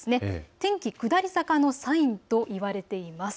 天気、下り坂のサインといわれています。